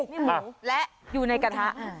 มาแล้วอยู่ในกระทะ